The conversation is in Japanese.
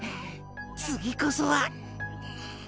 次こそは。